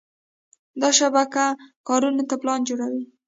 دا شبکه کارونو ته پلان جوړوي.